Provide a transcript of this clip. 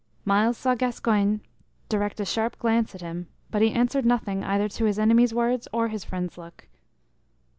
Myles saw Gascoyne direct a sharp glance at him; but he answered nothing either to his enemy's words or his friend's look.